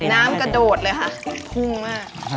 กระโดดเลยค่ะพุ่งมาก